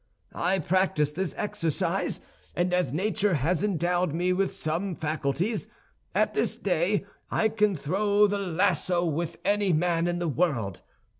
I practiced this exercise, and as nature has endowed me with some faculties, at this day I can throw the lasso with any man in the world.